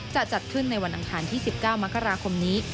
จะจัดขึ้นในวันอังคารที่๑๙มกราคมนี้